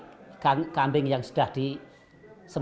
tentanganmia r permanently default